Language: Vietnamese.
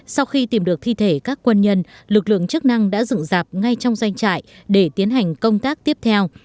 sau khi tìm được thi thể các quân nhân lực lượng chức năng đã dựng dạp ngay trong doanh trại để tiến hành công tác tiếp theo